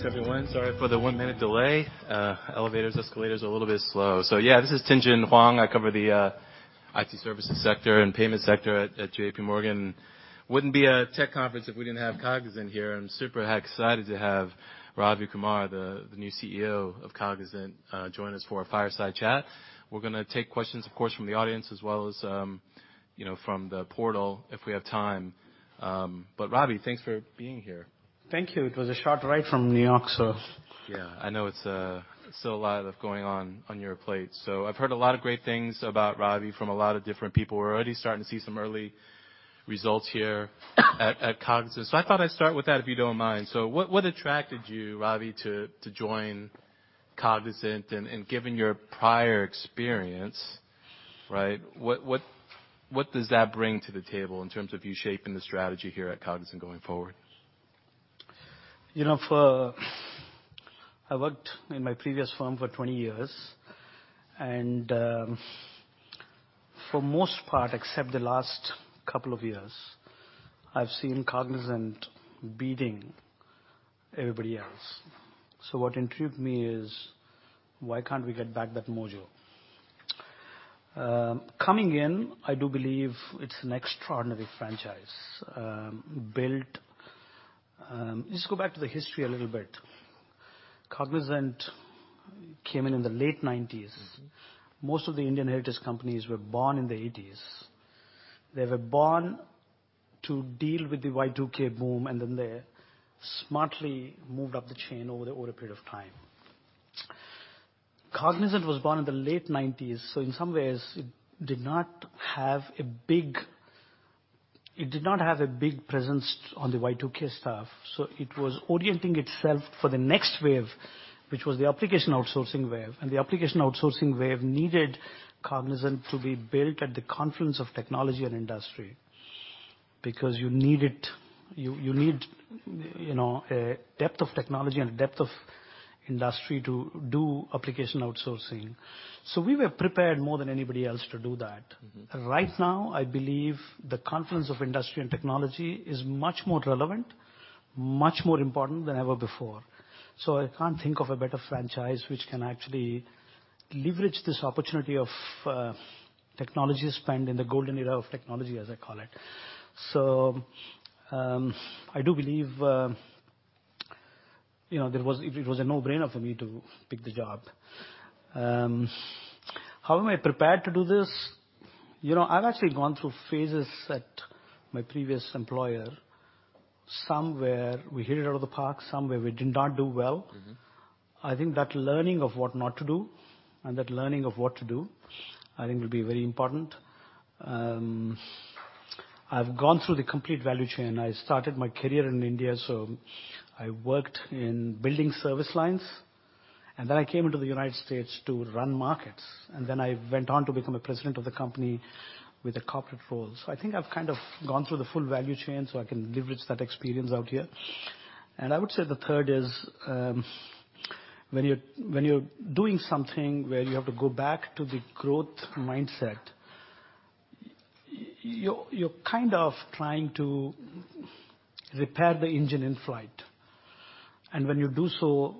Thanks everyone. Sorry for the one-minute delay. Elevators, escalators are a little bit slow. Yeah, this is Tien-Tsin Huang. I cover the IT services sector and payment sector at JPMorgan. Wouldn't be a tech conference if we didn't have Cognizant here. I'm super excited to have Ravi Kumar, the new CEO of Cognizant, join us for a fireside chat. We're gonna take questions, of course, from the audience as well as, you know, from the portal if we have time. Ravi, thanks for being here. Thank you. It was a short ride from New York, so. Yeah, I know it's still a lot of going on on your plate. I've heard a lot of great things about Ravi from a lot of different people. We're already starting to see some early results at Cognizant. I thought I'd start with that, if you don't mind. What attracted you, Ravi, to join Cognizant and given your prior experience, right, what does that bring to the table in terms of you shaping the strategy here at Cognizant going forward? You know, I worked in my previous firm for 20 years and, for most part, except the last couple of years, I've seen Cognizant beating everybody else. What intrigued me is why can't we get back that mojo? Coming in, I do believe it's an extraordinary franchise, built. Let's go back to the history a little bit. Cognizant came in in the late 1990s. Mm-hmm. Most of the Indian heritage companies were born in the 1980s. Then they smartly moved up the chain over a period of time. Cognizant was born in the late 1990s, in some ways it did not have a big presence on the Y2K stuff, it was orienting itself for the next wave, which was the application outsourcing wave. The application outsourcing wave needed Cognizant to be built at the confluence of technology and industry because you need it. You need, you know, a depth of technology and a depth of industry to do application outsourcing. We were prepared more than anybody else to do that. Mm-hmm. Right now, I believe the confluence of industry and technology is much more relevant, much more important than ever before. I can't think of a better franchise which can actually leverage this opportunity of technology spend in the golden era of technology, as I call it. I do believe, you know, it was a no-brainer for me to pick the job. How am I prepared to do this? You know, I've actually gone through phases at my previous employer, some where we hit it out of the park, some where we did not do well. Mm-hmm. I think that learning of what not to do and that learning of what to do, I think will be very important. I've gone through the complete value chain. I started my career in India, so I worked in building service lines, and then I came into the United States to run markets, and then I went on to become a president of the company with a corporate role. I think I've kind of gone through the full value chain, so I can leverage that experience out here. I would say the third is, when you're, when you're doing something where you have to go back to the growth mindset, you're kind of trying to repair the engine in flight. When you do so,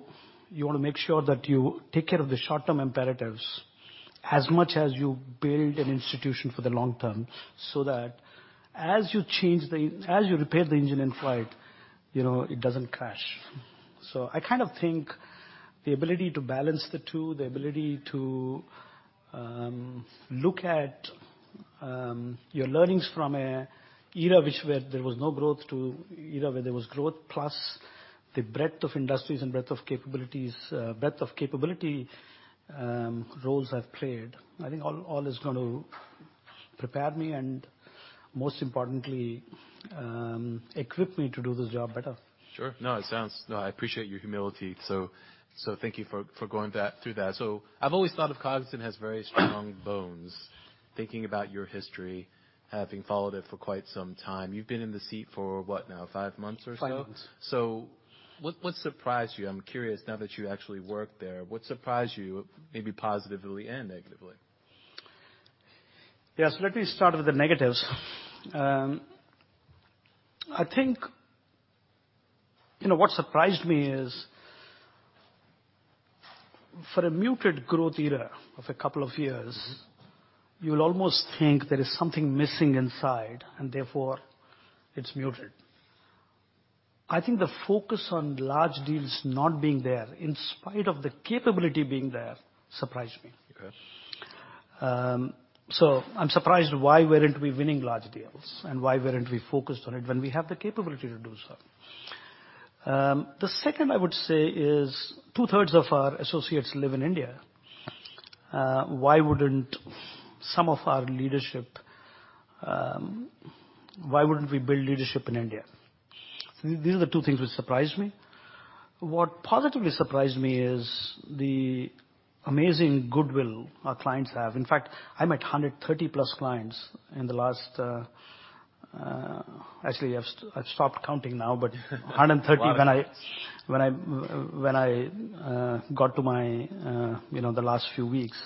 you wanna make sure that you take care of the short-term imperatives as much as you build an institution for the long term, so that as you repair the engine in flight, you know, it doesn't crash. Mm-hmm. I kind of think the ability to balance the two, the ability to look at your learnings from a era which where there was no growth to era where there was growth, plus the breadth of industries and breadth of capabilities, breadth of capability, roles I've played. I think all is gonna prepare me and most importantly, equip me to do this job better. Sure. No, I appreciate your humility. Thank you for going back through that. I've always thought of Cognizant has very strong bones, thinking about your history, having followed it for quite some time. You've been in the seat for what now, five months or so? Five months. What surprised you? I'm curious now that you actually work there, what surprised you, maybe positively and negatively? Yes. Let me start with the negatives. I think, you know, what surprised me is for a muted growth era of a couple of years. Mm-hmm. You'll almost think there is something missing inside and therefore it's muted. I think the focus on large deals not being there in spite of the capability being there surprised me. Okay. I'm surprised why weren't we winning large deals and why weren't we focused on it when we have the capability to do so. The second I would say is 2/3 of our associates live in India. Why wouldn't some of our leadership? Why wouldn't we build leadership in India? These are the two things which surprised me. What positively surprised me is the amazing goodwill our clients have. In fact, I met 130+ clients in the last. Actually I've stopped counting now, 130 when I. Wow. When I got to my, you know, the last few weeks.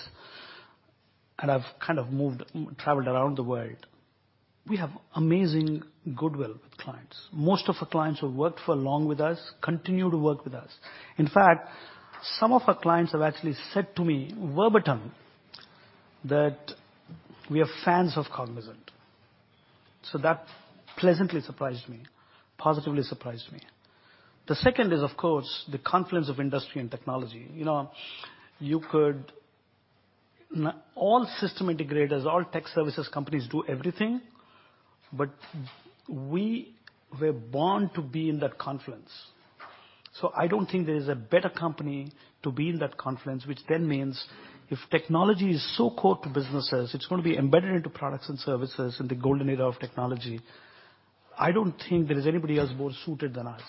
I've kind of traveled around the world. We have amazing goodwill with clients. Most of our clients who have worked for long with us continue to work with us. In fact, some of our clients have actually said to me verbatim that we are fans of Cognizant. That pleasantly surprised me, positively surprised me. The second is, of course, the confluence of industry and technology. All system integrators, all IT services companies do everything, but we were born to be in that confluence. I don't think there is a better company to be in that confluence, which then means if technology is so core to businesses, it's gonna be embedded into products and services in the golden era of technology. I don't think there is anybody else more suited than us.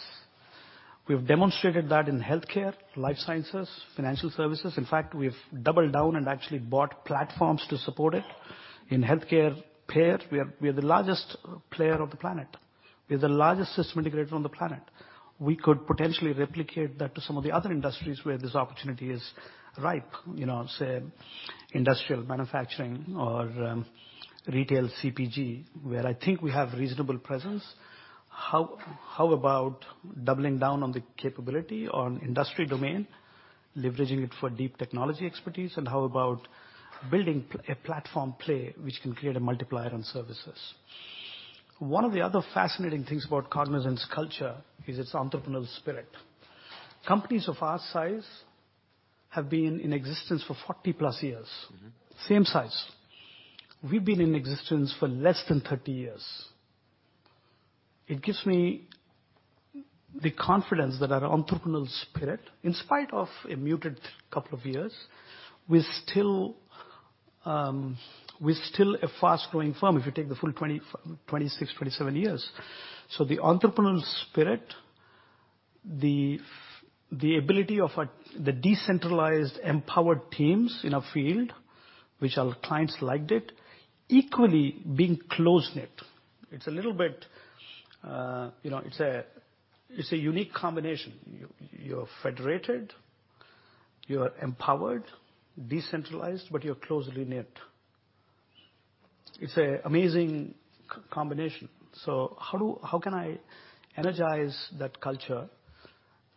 We have demonstrated that in healthcare, life sciences, financial services. In fact, we've doubled down and actually bought platforms to support it. In healthcare payer, we are the largest player on the planet. We're the largest system integrator on the planet. We could potentially replicate that to some of the other industries where this opportunity is ripe, you know, say, industrial manufacturing or retail CPG, where I think we have reasonable presence. How about doubling down on the capability on industry domain, leveraging it for deep technology expertise? How about building a platform play which can create a multiplier on services? One of the other fascinating things about Cognizant's culture is its entrepreneurial spirit. Companies of our size have been in existence for 40+ years. Mm-hmm. Same size. We've been in existence for less than 30 years. It gives me the confidence that our entrepreneurial spirit, in spite of a muted couple of years, we're still, we're still a fast-growing firm, if you take the full 26, 27 years. The entrepreneurial spirit, the ability of the decentralized, empowered teams in our field, which our clients liked it, equally being close-knit. It's a little bit, you know, it's a, it's a unique combination. You're federated, you're empowered, decentralized, but you're closely knit. It's an amazing combination. How do, how can I energize that culture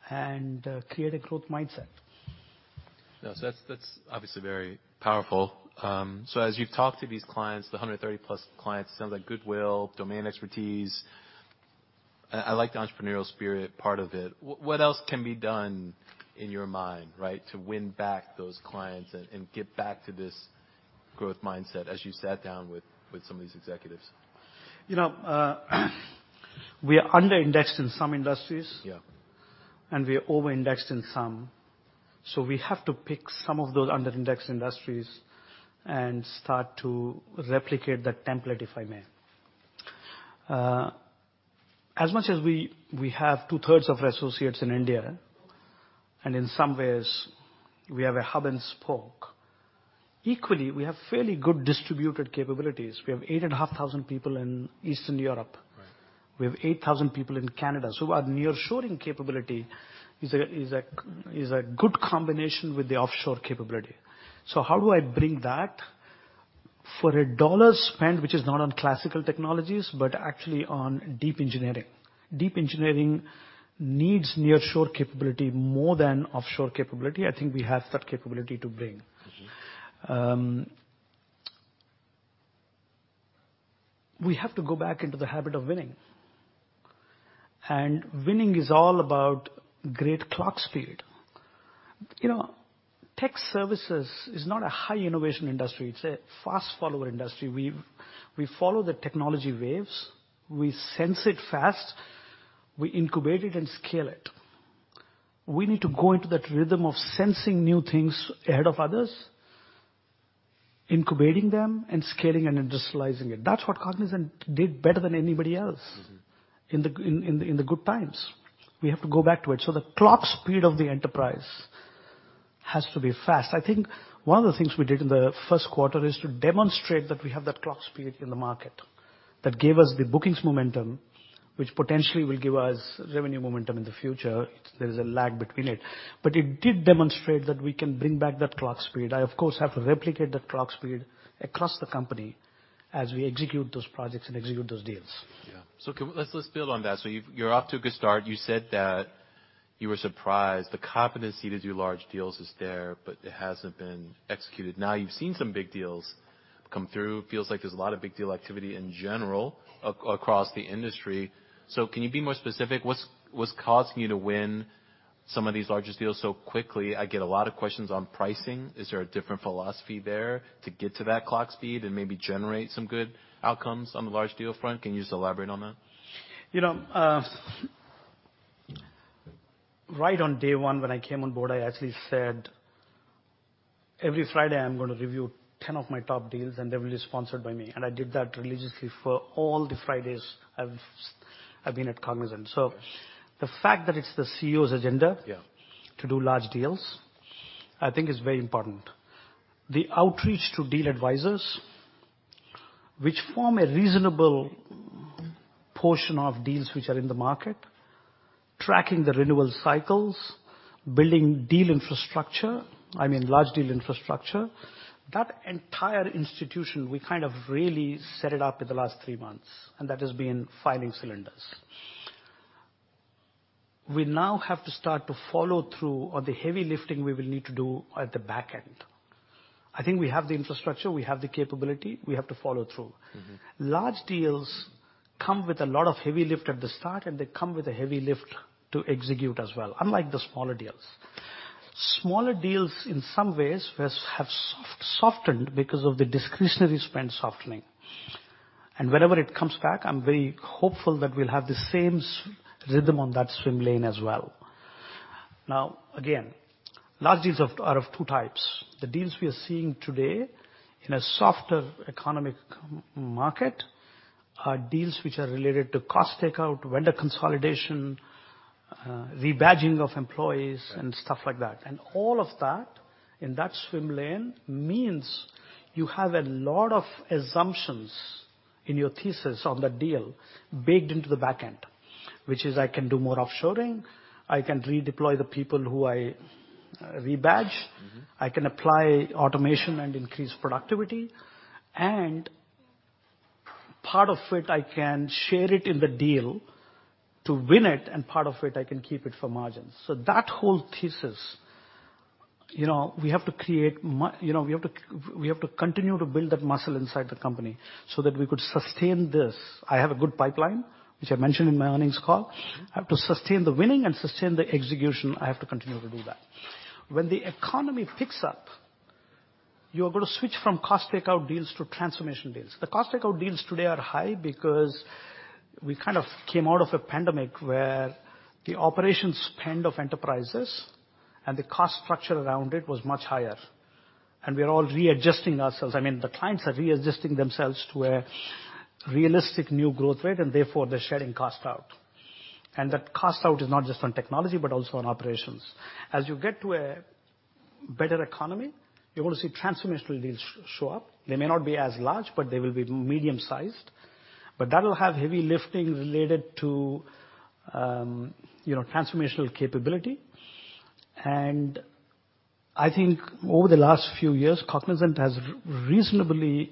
and create a growth mindset? Yeah. That's obviously very powerful. As you've talked to these clients, the 130+ clients, it sounds like goodwill, domain expertise. I like the entrepreneurial spirit part of it. What else can be done in your mind, right, to win back those clients and get back to this growth mindset as you sat down with some of these executives? You know, we are under-indexed in some industries. Yeah. We are over-indexed in some. We have to pick some of those under-indexed industries and start to replicate that template, if I may. As much as we have 2/3 of our associates in India, and in some ways, we have a hub and spoke. Equally, we have fairly good distributed capabilities. We have 8,500 people in Eastern Europe. Right. We have 8,000 people in Canada. Our nearshoring capability is a good combination with the offshore capability. How do I bring that for a dollar spent, which is not on classical technologies, but actually on deep engineering? Deep engineering needs nearshore capability more than offshore capability. I think we have that capability to bring. Mm-hmm. We have to go back into the habit of winning. Winning is all about great clock speed. You know, tech services is not a high innovation industry. It's a fast follower industry. We follow the technology waves. We sense it fast. We incubate it and scale it. We need to go into that rhythm of sensing new things ahead of others, incubating them, and scaling and industrializing it. That's what Cognizant did better than anybody else. Mm-hmm In the good times. We have to go back to it. The clock speed of the enterprise has to be fast. I think one of the things we did in the first quarter is to demonstrate that we have that clock speed in the market. That gave us the bookings momentum, which potentially will give us revenue momentum in the future. There's a lag between it. It did demonstrate that we can bring back that clock speed. I, of course, have to replicate that clock speed across the company as we execute those projects and execute those deals. Yeah. Let's build on that. You're off to a good start. You said that you were surprised. The competency to do large deals is there, but it hasn't been executed. Now you've seen some big deals come through. Feels like there's a lot of big deal activity in general across the industry. Can you be more specific? What's, what's causing you to win some of these larger deals so quickly? I get a lot of questions on pricing. Is there a different philosophy there to get to that clock speed and maybe generate some good outcomes on the large deal front? Can you just elaborate on that? You know, right on day one when I came on board, I actually said, every Friday I'm gonna review 10 of my top deals, and they will be sponsored by me. I did that religiously for all the Fridays I've been at Cognizant. Gotcha. The fact that it's the CEO's agenda. Yeah. To do large deals, I think is very important. The outreach to deal advisors, which form a reasonable portion of deals which are in the market, tracking the renewal cycles, building deal infrastructure, I mean, large deal infrastructure. That entire institution, we kind of really set it up in the last three months. That has been firing cylinders. We now have to start to follow through on the heavy lifting we will need to do at the back end. I think we have the infrastructure, we have the capability, we have to follow through. Mm-hmm. Large deals come with a lot of heavy lift at the start, and they come with a heavy lift to execute as well, unlike the smaller deals. Smaller deals, in some ways, have softened because of the discretionary spend softening. Whenever it comes back, I'm very hopeful that we'll have the same rhythm on that swim lane as well. Again, large deals are of two types. The deals we are seeing today in a softer economic market are deals which are related to cost takeout, vendor consolidation, rebadging of employees. Right. And stuff like that. All of that in that swim lane means you have a lot of assumptions in your thesis on that deal baked into the back end, which is I can do more offshoring, I can redeploy the people who I rebadge. Mm-hmm. I can apply automation and increase productivity, and part of it, I can share it in the deal to win it, and part of it I can keep it for margins. That whole thesis, you know, we have to create. You know, we have to continue to build that muscle inside the company so that we could sustain this. I have a good pipeline, which I mentioned in my earnings call. Mm-hmm. I have to sustain the winning and sustain the execution. I have to continue to do that. When the economy picks up, you're gonna switch from cost takeout deals to transformation deals. The cost takeout deals today are high because we kind of came out of a pandemic where the operations spend of enterprises and the cost structure around it was much higher, and we are all readjusting ourselves. I mean, the clients are readjusting themselves to a realistic new growth rate, and therefore, they're shedding cost out. That cost out is not just on technology, but also on operations. As you get to a better economy, you're gonna see transformational deals show up. They may not be as large, but they will be medium-sized. That'll have heavy lifting related to, you know, transformational capability. I think over the last few years, Cognizant has reasonably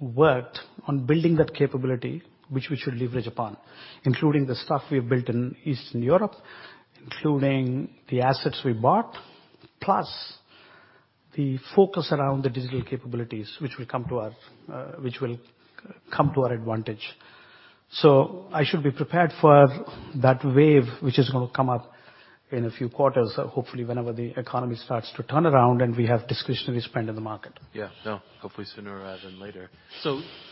worked on building that capability, which we should leverage upon, including the stuff we have built in Eastern Europe, including the assets we bought, plus the focus around the digital capabilities, which will come to our, which will come to our advantage. I should be prepared for that wave, which is gonna come up in a few quarters, hopefully, whenever the economy starts to turn around and we have discretionary spend in the market. Yeah, no. Hopefully sooner rather than later.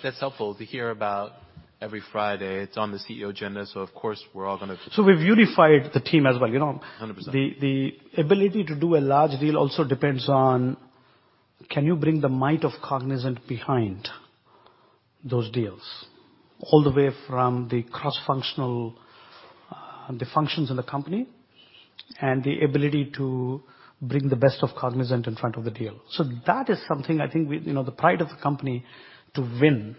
That's helpful to hear about every Friday. It's on the CEO agenda, so of course, we're all. We've unified the team as well, you know. 100%. The ability to do a large deal also depends on, can you bring the might of Cognizant behind those deals, all the way from the cross-functional, the functions in the company and the ability to bring the best of Cognizant in front of the deal. That is something I think we, you know, the pride of the company to win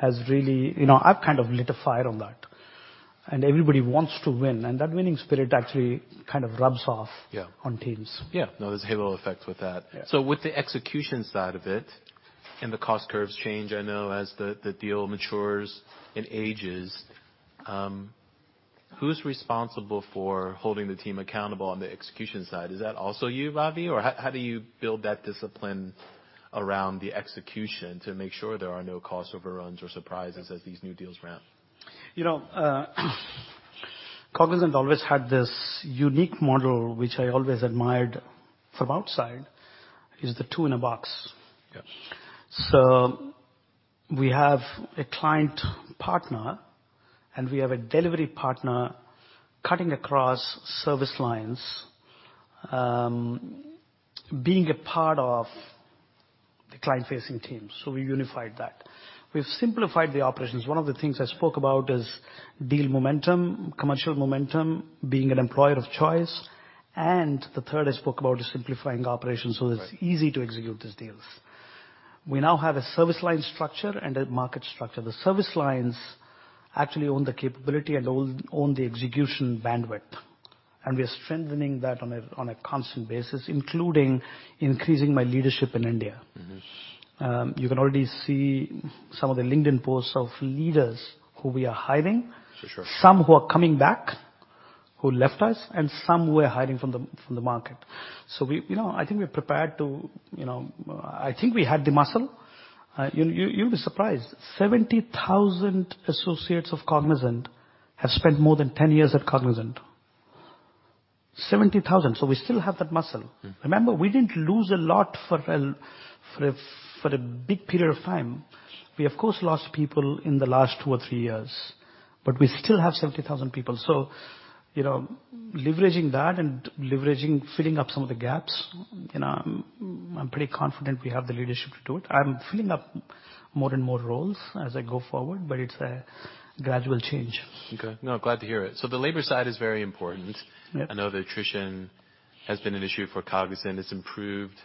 has really. You know, I've kind of lit a fire on that, and everybody wants to win, and that winning spirit actually kind of rubs off. Yeah. On teams. Yeah. No, there's halo effect with that. Yeah. With the execution side of it and the cost curves change, I know as the deal matures and ages, who's responsible for holding the team accountable on the execution side? Is that also you, Ravi? Or how do you build that discipline around the execution to make sure there are no cost overruns or surprises as these new deals ramp? You know, Cognizant always had this unique model, which I always admired from outside, is the two-in-a-box. Yes. We have a client partner, and we have a delivery partner cutting across service lines, being a part of the client-facing team. We unified that. We've simplified the operations. One of the things I spoke about is deal momentum, commercial momentum, being an employer of choice, and the third I spoke about is simplifying operations. Right. It's easy to execute these deals. We now have a service line structure and a market structure. The service lines actually own the capability and own the execution bandwidth, and we are strengthening that on a constant basis, including increasing my leadership in India. Mm-hmm. You can already see some of the LinkedIn posts of leaders who we are hiring. For sure. Some who are coming back, who left us, and some we're hiring from the, from the market. We, you know, I think we're prepared to, you know, I think we have the muscle. You'll be surprised, 70,000 associates of Cognizant have spent more than 10 years at Cognizant. 70,000. We still have that muscle. Mm. We didn't lose a lot for a big period of time. We, of course, lost people in the last two or three years, but we still have 70,000 people. You know, leveraging that and leveraging, filling up some of the gaps, you know, I'm pretty confident we have the leadership to do it. I'm filling up more and more roles as I go forward, but it's a gradual change. Okay. No, glad to hear it. The labor side is very important. Mm. Yep. I know the attrition has been an issue for Cognizant. It's improved.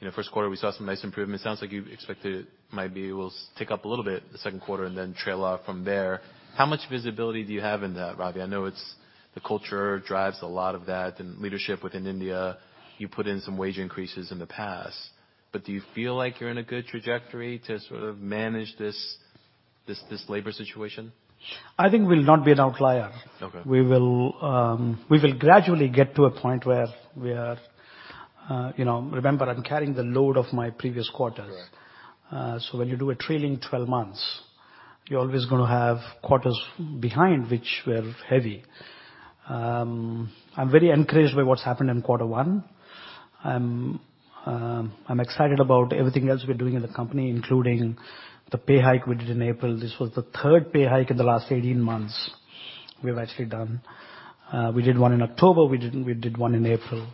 You know, first quarter, we saw some nice improvement. Sounds like you expect it might be, will tick up a little bit the second quarter and then trail off from there. How much visibility do you have in that, Ravi? I know. The culture drives a lot of that and leadership within India. You put in some wage increases in the past, but do you feel like you're in a good trajectory to sort of manage this labor situation? I think we'll not be an outlier. Okay. We will gradually get to a point where we are, you know. Remember, I'm carrying the load of my previous quarters. Right. When you do a trailing 12 months, you're always gonna have quarters behind which were heavy. I'm very encouraged by what's happened in quarter one. I'm excited about everything else we're doing in the company, including the pay hike we did in April. This was the third pay hike in the last 18 months we've actually done. We did one in October. We did one in April.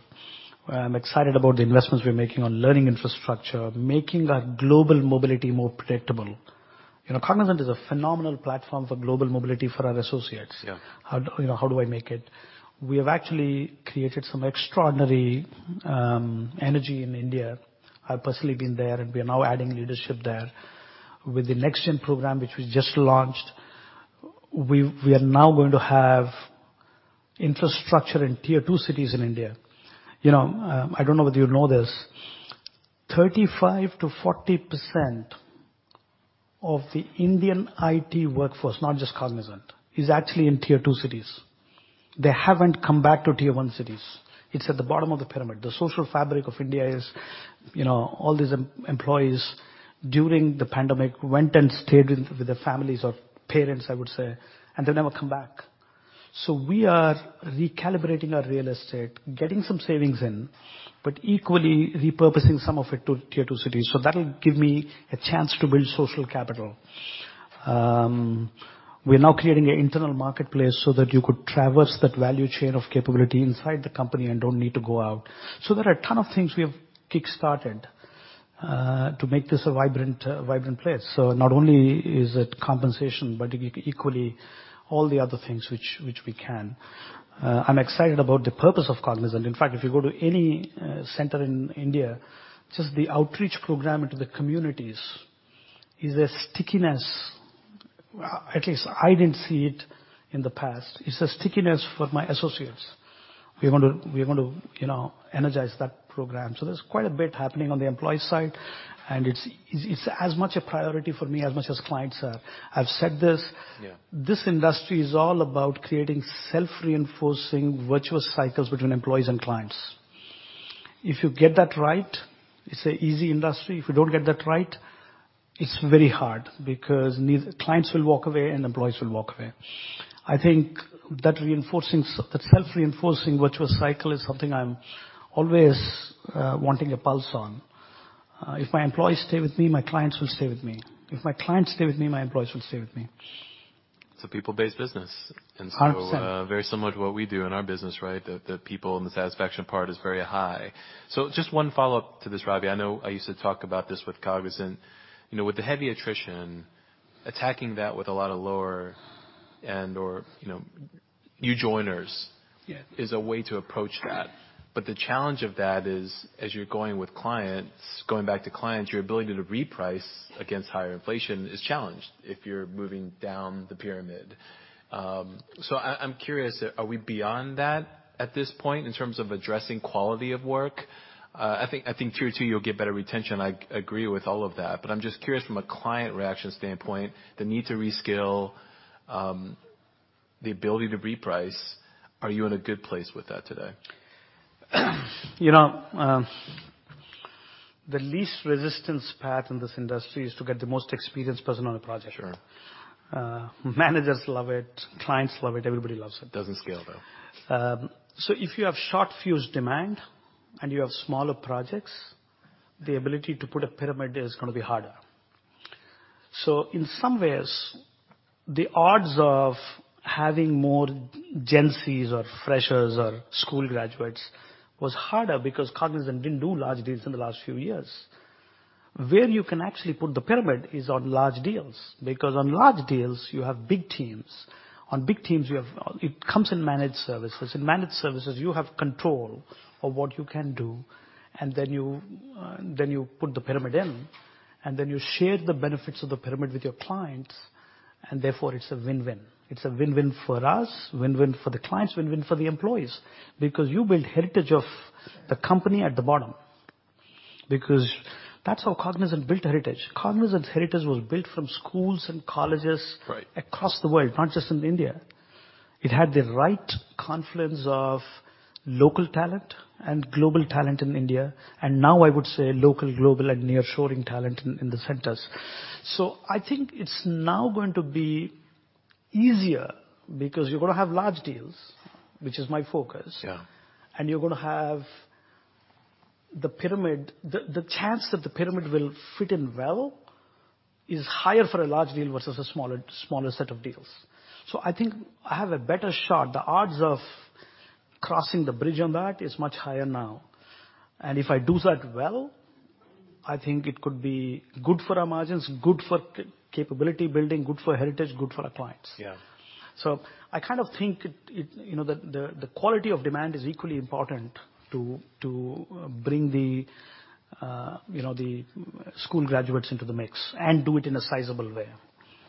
I'm excited about the investments we're making on learning infrastructure, making our global mobility more predictable. You know, Cognizant is a phenomenal platform for global mobility for our associates. Yeah. How, you know, how do I make it? We have actually created some extraordinary energy in India. I've personally been there, and we are now adding leadership there. With the NextGen program, which we just launched, we are now going to have infrastructure in Tier 2 cities in India. You know, I don't know whether you know this, 35%-40% of the Indian IT workforce, not just Cognizant, is actually in Tier 2 cities. They haven't come back to Tier 1 cities. It's at the bottom of the pyramid. The social fabric of India is, you know, all these employees during the pandemic went and stayed with their families or parents, I would say, and they'll never come back. We are recalibrating our real estate, getting some savings in, but equally repurposing some of it to Tier 2 cities. That'll give me a chance to build social capital. We are now creating an internal marketplace so that you could traverse that value chain of capability inside the company and don't need to go out. There are a ton of things we have kickstarted to make this a vibrant place. Not only is it compensation, but equally all the other things which we can. I'm excited about the purpose of Cognizant. In fact, if you go to any center in India, just the outreach program into the communities is a stickiness. At least I didn't see it in the past. It's a stickiness for my associates. We want to, you know, energize that program. There's quite a bit happening on the employee side, and it's as much a priority for me as much as clients are. I've said this. Yeah. This industry is all about creating self-reinforcing virtuous cycles between employees and clients. If you get that right, it's a easy industry. If you don't get that right, it's very hard because clients will walk away and employees will walk away. I think that self-reinforcing virtuous cycle is something I'm always wanting a pulse on. If my employees stay with me, my clients will stay with me. If my clients stay with me, my employees will stay with me. It's a people-based business. 100%. Very similar to what we do in our business, right. The, the people and the satisfaction part is very high. Just one follow-up to this, Ravi. I know I used to talk about this with Cognizant. You know, with the heavy attrition, attacking that with a lot of lower and/or, you know, new joiners. Yeah. Is a way to approach that. The challenge of that is, as you're going with clients, going back to clients, your ability to reprice against higher inflation is challenged if you're moving down the pyramid. I'm curious, are we beyond that at this point in terms of addressing quality of work? I think Tier 2, you'll get better retention. I agree with all of that. I'm just curious from a client reaction standpoint, the need to reskill, the ability to reprice, are you in a good place with that today? You know, the least resistance path in this industry is to get the most experienced person on a project. Sure. Managers love it. Clients love it. Everybody loves it. Doesn't scale, though. If you have short-fuse demand, and you have smaller projects, the ability to put a pyramid is gonna be harder. In some ways, the odds of having more Gen Zs or freshers or school graduates was harder because Cognizant didn't do large deals in the last few years. Where you can actually put the pyramid is on large deals. On large deals, you have big teams. On big teams, it comes in managed services. In managed services, you have control of what you can do, then you put the pyramid in, and then you share the benefits of the pyramid with your clients, and therefore it's a win-win. It's a win-win for us, win-win for the clients, win-win for the employees. You build heritage of the company at the bottom. That's how Cognizant built heritage. Cognizant's heritage was built from schools and colleges. Right. Across the world, not just in India. It had the right confluence of local talent and global talent in India, and now I would say local, global, and nearshoring talent in the centers. I think it's now going to be easier because you're gonna have large deals, which is my focus. Yeah. You're gonna have the pyramid. The chance that the pyramid will fit in well is higher for a large deal versus a smaller set of deals. I think I have a better shot. The odds of crossing the bridge on that is much higher now, and if I do that well, I think it could be good for our margins, good for capability building, good for heritage, good for our clients. Yeah. I kind of think it, you know, the quality of demand is equally important to bring the, you know, the school graduates into the mix and do it in a sizable way.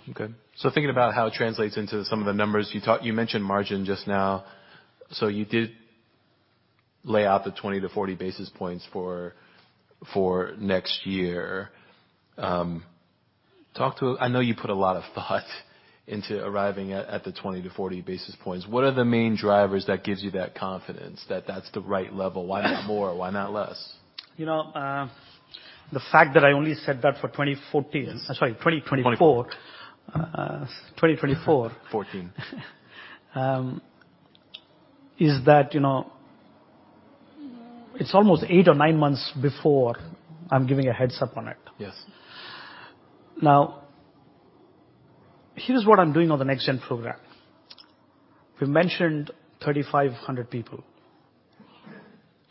Thinking about how it translates into some of the numbers. You mentioned margin just now. You did lay out the 20-40 basis points for next year. I know you put a lot of thought into arriving at the 20-40 basis points. What are the main drivers that gives you that confidence that that's the right level? Why not more? Why not less? You know, the fact that I only said that for 2014. I'm sorry, 2024. 2024. 2024. 14. Is that, you know, it's almost eight or nine months before I'm giving a heads-up on it. Yes. Now, here's what I'm doing on the NextGen program. We mentioned 3,500 people.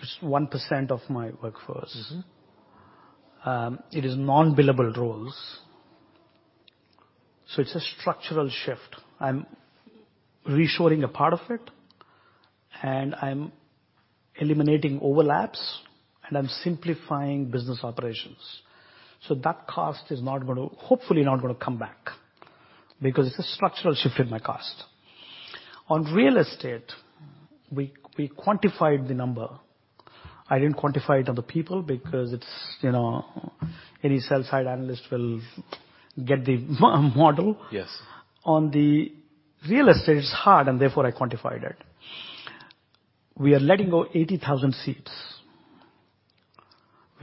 It's 1% of my workforce. Mm-hmm. It is non-billable roles, so it's a structural shift. I'm reshoring a part of it, and I'm eliminating overlaps, and I'm simplifying business operations. That cost is not gonna, hopefully not gonna come back because it's a structural shift in my cost. On real estate, we quantified the number. I didn't quantify it on the people because it's, you know, any sell-side analyst will get the model. Yes. On the real estate, it's hard, and therefore I quantified it. We are letting go 80,000 seats.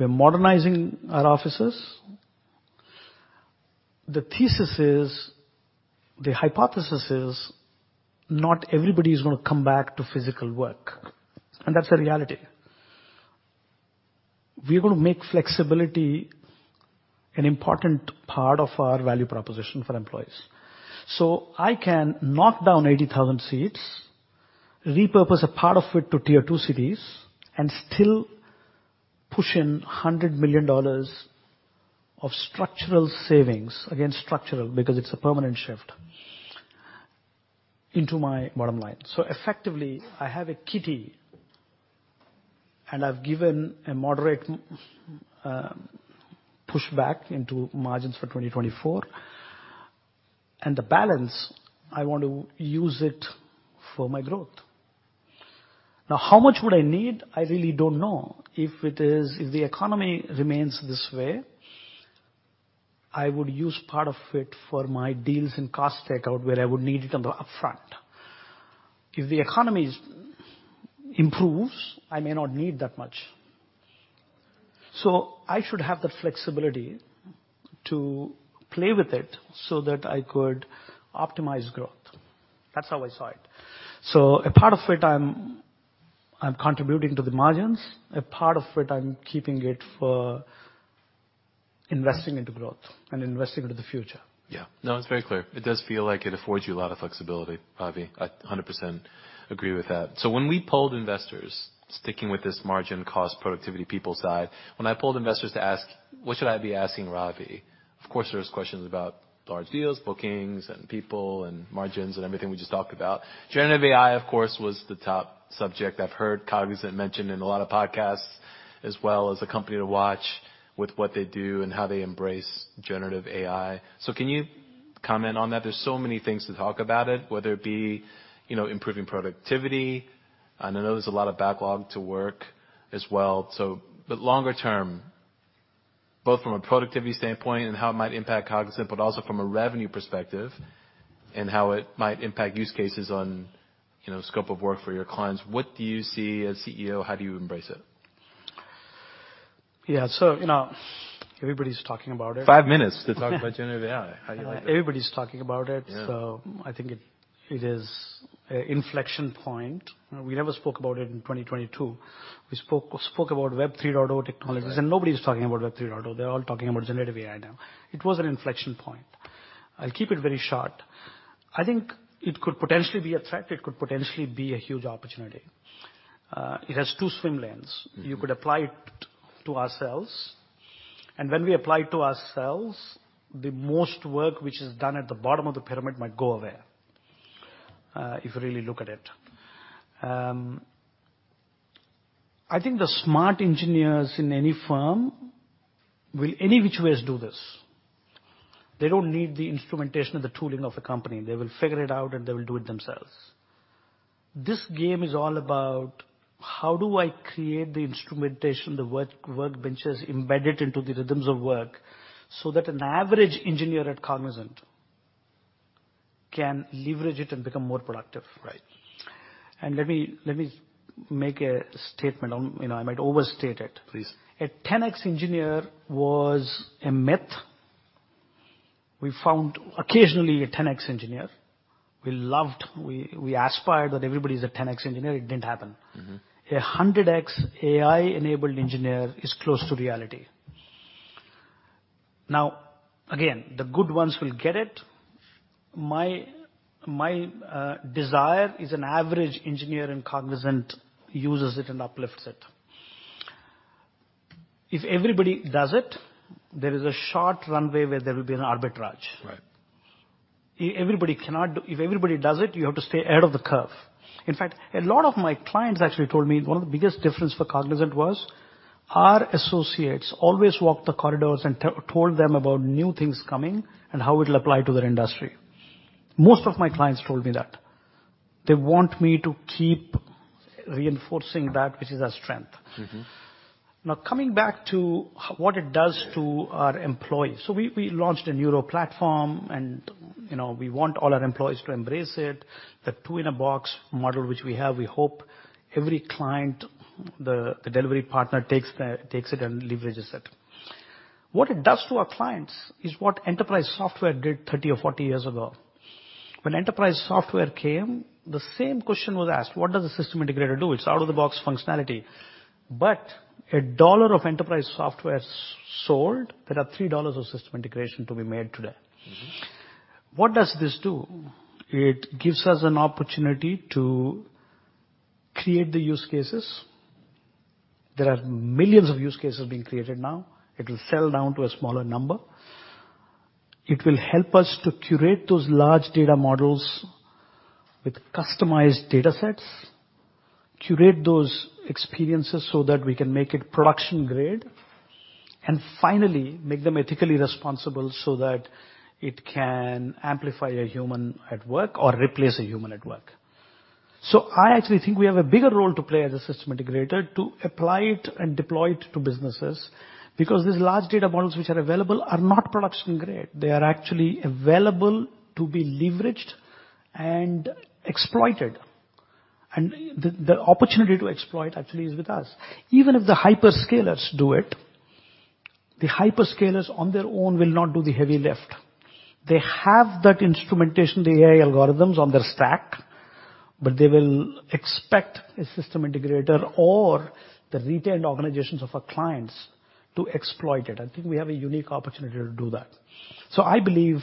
We're modernizing our offices. The thesis is, the hypothesis is not everybody is gonna come back to physical work, and that's a reality. We're gonna make flexibility an important part of our value proposition for employees. I can knock down 80,000 seats, repurpose a part of it to Tier 2 cities, and still push in $100 million of structural savings. Again, structural, because it's a permanent shift into my bottom line. Effectively, I have a kitty, and I've given a moderate pushback into margins for 2024. The balance, I want to use it for my growth. Now, how much would I need? I really don't know. If it is, if the economy remains this way, I would use part of it for my deals and cost takeout where I would need it on the upfront. If the economy improves, I may not need that much. I should have the flexibility to play with it so that I could optimize growth. That's how I saw it. A part of it, I'm contributing to the margins. A part of it, I'm keeping it for investing into growth and investing into the future. Yeah. No, it's very clear. It does feel like it affords you a lot of flexibility, Ravi. I 100% agree with that. When we polled investors, sticking with this margin cost productivity people side, when I polled investors to ask, "What should I be asking Ravi?" Of course, there's questions about large deals, bookings and people and margins and everything we just talked about. Generative AI, of course, was the top subject. I've heard Cognizant mentioned in a lot of podcasts as well as a company to watch with what they do and how they embrace generative AI. Can you comment on that? There's so many things to talk about it, whether it be, you know, improving productivity. I know there's a lot of backlog to work as well. Longer term, both from a productivity standpoint and how it might impact Cognizant, but also from a revenue perspective and how it might impact use cases on, you know, scope of work for your clients. What do you see as CEO? How do you embrace it? Yeah. You know, everybody's talking about it. Five minutes to talk about generative AI. How do you like that? Everybody's talking about it. Yeah. I think it is a inflection point. We never spoke about it in 2022. We spoke about Web 3.0 technologies. Right. Nobody's talking about Web 3.0. They're all talking about generative AI now. It was an inflection point. I'll keep it very short. I think it could potentially be a threat. It could potentially be a huge opportunity. It has two swim lanes. Mm-hmm. You could apply it to ourselves. When we apply it to ourselves, the most work which is done at the bottom of the pyramid might go away, if you really look at it. I think the smart engineers in any firm will any which ways do this. They don't need the instrumentation and the tooling of the company. They will figure it out, and they will do it themselves. This game is all about how do I create the instrumentation, workbenches embedded into the rhythms of work so that an average engineer at Cognizant can leverage it and become more productive. Right. Let me make a statement on. You know, I might overstate it. Please. A 10x engineer was a myth. We found occasionally a 10x engineer. We loved, we aspired that everybody is a 10x engineer. It didn't happen. Mm-hmm. A 100X AI-enabled engineer is close to reality. Now, again, the good ones will get it. My desire is an average engineer in Cognizant uses it and uplifts it. If everybody does it, there is a short runway where there will be an arbitrage. Right. Everybody cannot. If everybody does it, you have to stay ahead of the curve. In fact, a lot of my clients actually told me one of the biggest difference for Cognizant was our associates always walked the corridors and told them about new things coming and how it'll apply to their industry. Most of my clients told me that. They want me to keep reinforcing that which is our strength. Mm-hmm. Coming back to what it does to our employees. We launched a Neuro platform and, you know, we want all our employees to embrace it. The two-in-a-box model which we have, we hope every client, the delivery partner takes it and leverages it. What it does to our clients is what enterprise software did 30 or 40 years ago. When enterprise software came, the same question was asked: What does the system integrator do? It's out-of-the-box functionality. But, a $1 of enterprise software sold, there are $3 of system integration to be made today. Mm-hmm. What does this do? It gives us an opportunity to create the use cases. There are millions of use cases being created now. It will settle down to a smaller number. It will help us to curate those large language models with customized datasets, curate those experiences so that we can make it production grade, and finally, make them ethically responsible so that it can amplify a human at work or replace a human at work. I actually think we have a bigger role to play as a system integrator to apply it and deploy it to businesses because these large language models which are available are not production grade. They are actually available to be leveraged and exploited. The opportunity to exploit actually is with us. Even if the hyperscalers do it, the hyperscalers on their own will not do the heavy lift. They have that instrumentation, the AI algorithms on their stack, but they will expect a system integrator or the retained organizations of our clients to exploit it. I think we have a unique opportunity to do that. I believe,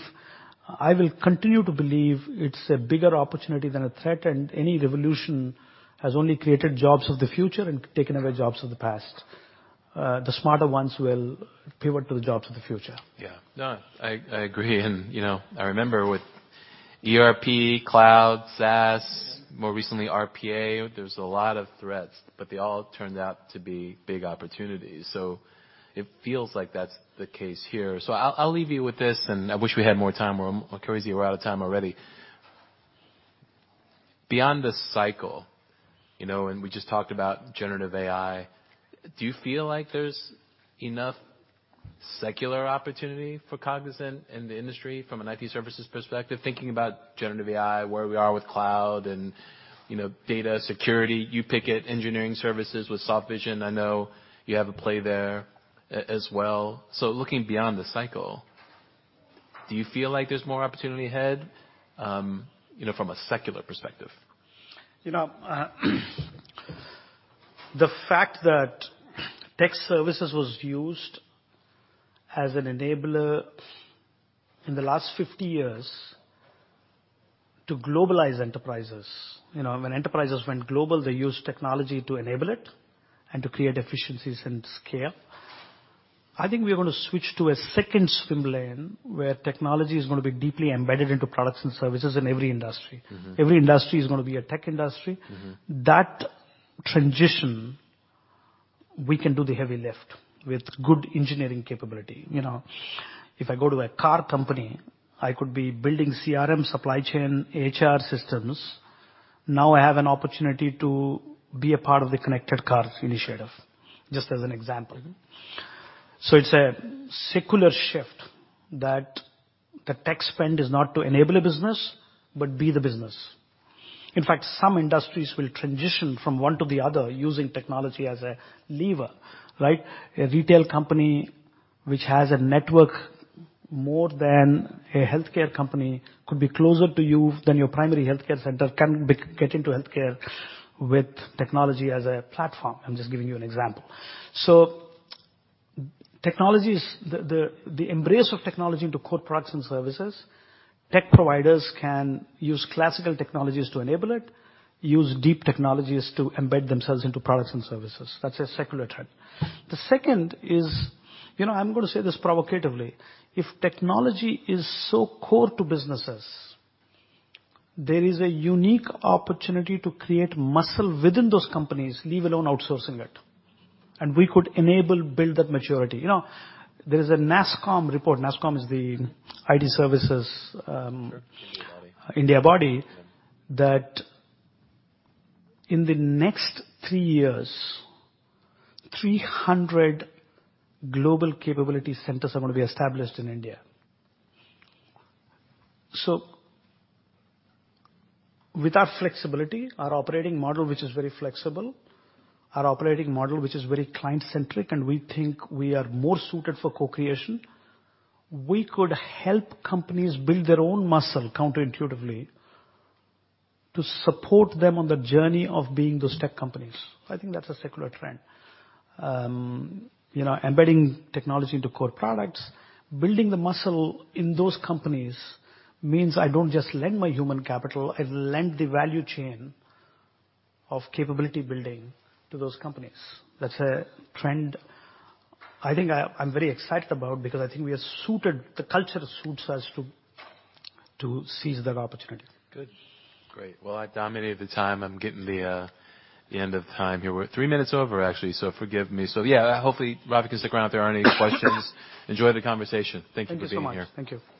I will continue to believe it's a bigger opportunity than a threat. Any revolution has only created jobs of the future and taken away jobs of the past. The smarter ones will pivot to the jobs of the future. Yeah. No, I agree. you know, I remember with ERP, cloud, SaaS. Yeah. More recently RPA, there's a lot of threats, but they all turned out to be big opportunities. It feels like that's the case here. I'll leave you with this, and I wish we had more time. We're crazy, we're out of time already. Beyond the cycle, you know, and we just talked about generative AI, do you feel like there's enough secular opportunity for Cognizant in the industry from an IT services perspective, thinking about generative AI, where we are with cloud and, you know, data security? You pick it. Engineering services with Softvision, I know you have a play there as well. Looking beyond the cycle, do you feel like there's more opportunity ahead, you know, from a secular perspective? You know, the fact that tech services was used as an enabler in the last 50 years to globalize enterprises. You know, when enterprises went global, they used technology to enable it and to create efficiencies and scale. I think we're gonna switch to a second swim lane, where technology is gonna be deeply embedded into products and services in every industry. Mm-hmm. Every industry is gonna be a tech industry. Mm-hmm. That transition, we can do the heavy lift with good engineering capability. You know, if I go to a car company, I could be building CRM, supply chain, HR systems. Now I have an opportunity to be a part of the connected cars initiative, just as an example. It's a secular shift that the tech spend is not to enable a business, but be the business. In fact, some industries will transition from one to the other using technology as a lever, right? A retail company which has a network more than a healthcare company could be closer to you than your primary healthcare center can be. Get into healthcare with technology as a platform. I'm just giving you an example. Technology is the embrace of technology into core products and services, tech providers can use classical technologies to enable it, use deep technologies to embed themselves into products and services. That's a secular trend. The second is, you know, I'm gonna say this provocatively. If technology is so core to businesses, there is a unique opportunity to create muscle within those companies, leave alone outsourcing it. We could enable build that maturity. You know, there is a NASSCOM report. NASSCOM is the IT services. Sure. India body. India body. Yeah. In the next three years, 300 global capability centers are gonna be established in India. With our flexibility, our operating model, which is very flexible, our operating model, which is very client-centric, and we think we are more suited for co-creation, we could help companies build their own muscle counterintuitively to support them on the journey of being those tech companies. I think that's a secular trend. You know, embedding technology into core products, building the muscle in those companies means I don't just lend my human capital, I lend the value chain of capability building to those companies. That's a trend I think I'm very excited about because I think we are suited, the culture suits us to seize that opportunity. Good. Great. Well, I dominated the time. I'm getting the end of time here. We're three minutes over actually, so forgive me. Yeah, hopefully Ravi can stick around if there are any questions. Enjoyed the conversation. Thank you for being here. Thank you so much. Thank you.